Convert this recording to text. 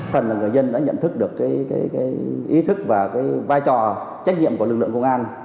phần người dân đã nhận thức được ý thức và vai trò trách nhiệm của lực lượng công an